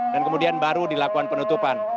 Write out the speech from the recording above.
dan kemudian baru dilakukan penutupan